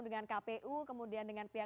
dengan kpu kemudian dengan pihak